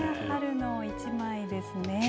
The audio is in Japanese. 春の１枚ですね。